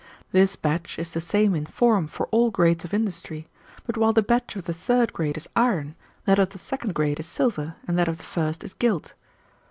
This badge is the same in form for all grades of industry, but while the badge of the third grade is iron, that of the second grade is silver, and that of the first is gilt.